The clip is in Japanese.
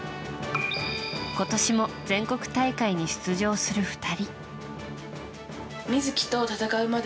今年も全国大会に出場する２人。